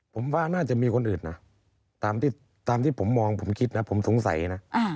ผมว่าน่าจะมีคนอื่นนะตามที่ผมมองผมคิดนะผมสงสัยนะ